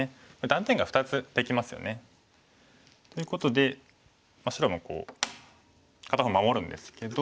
断点が２つできますよね。ということで白も片方守るんですけど。